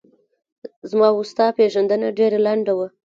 زما و ستا پیژندنه ډېره لڼده وه